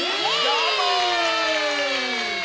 どーも！